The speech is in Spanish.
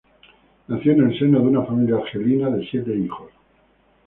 Nació en el seno de una familia argelina de siete hijos.